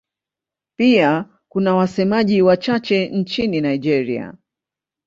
Pia kuna wasemaji wachache nchini Nigeria.